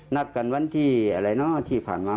นัดกันวันที่อะไรเนอะที่ผ่านมา